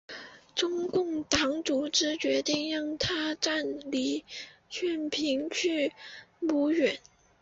中共党组织决定让他暂离阜平去绥远。